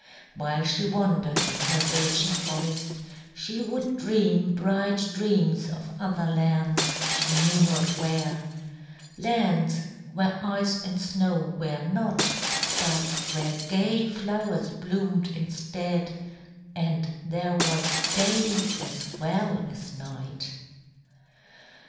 While she wandered in her birchen forest, she would dream bright dreams of other lands, she knew not where, lands where ice and snow were not, but where gay flowers bloomed instead, and there was day as well as night.